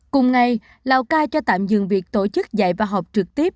cùng ngày lào cai cho tạm dừng việc tổ chức dạy và học trực tiếp